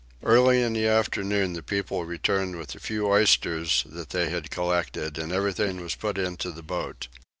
Early in the afternoon the people returned with the few oysters that they had collected and everything was put into the boat.